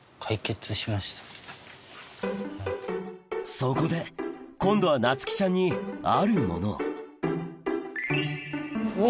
そこで今度はなつきちゃんにあるものをうわ！